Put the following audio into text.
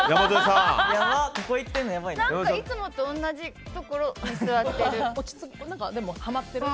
何かいつもと同じところに座ってる。